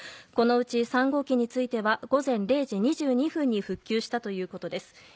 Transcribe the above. このうち、３号機については午前０時２２分に復旧したということです。